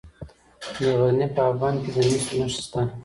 د غزني په اب بند کې د مسو نښې شته.